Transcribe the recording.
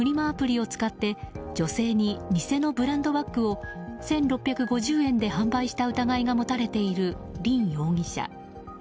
アプリを使って女性に偽のブランドバッグを１６５０円で販売した疑いが持たれているリン容疑者。